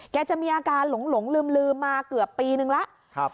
จะมีอาการหลงลืมมาเกือบปีนึงแล้ว